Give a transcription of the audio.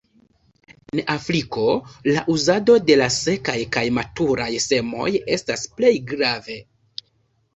En Afriko la uzado de la sekaj kaj maturaj semoj estas plej grave.